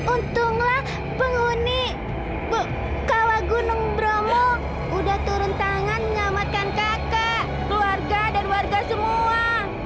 untunglah penghuni bu kalau gunung bromo udah turun tangan menyelamatkan kakak keluarga dan warga semua